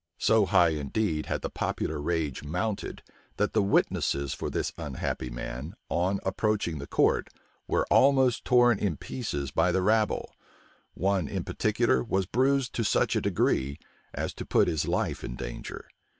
So high indeed had the popular rage mounted, that the witnesses for this unhappy man, on approaching the court, were almost torn in pieces by the rabble: one in particular was bruised to such a degree, as to put his life in danger.